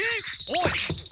おい。